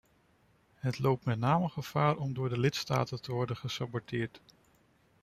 Het loopt met name gevaar om door de lidstaten te worden gesaboteerd.